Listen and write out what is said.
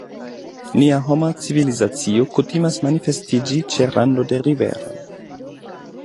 Nia homa civilizacio kutimas manifestiĝi ĉe rando de riveroj.